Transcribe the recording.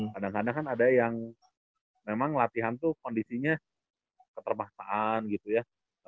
kadang kadang kan ada yang memang latihan tuh kondisinya keterbangsaan gitu ya